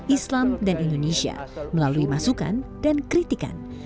islam dan indonesia melalui masukan dan kritikan